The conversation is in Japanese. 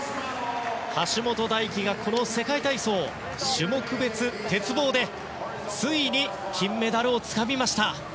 橋本大輝がこの世界体操、種目別鉄棒でついに金メダルをつかみました！